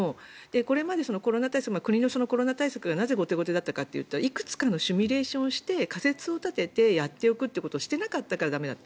これまで国のコロナ対策がなぜ後手後手だったかというといくつかのシミュレーションをして仮説を立ててやっておくということをしていなかったから駄目だった。